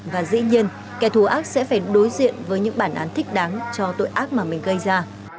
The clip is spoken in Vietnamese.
và dĩ nhiên kẻ thù ác sẽ phải đối diện với những bản án thích đáng cho tội ác mà mình gây ra